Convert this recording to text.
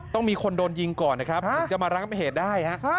ต้องมีคนโดนยิงก่อนนะครับถึงจะมาระงับเหตุได้ฮะ